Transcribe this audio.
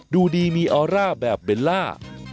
ดูดีมีออร่าแบบเบลล่า